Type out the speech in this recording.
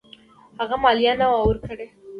هغه مالیه نه وه ورکړې.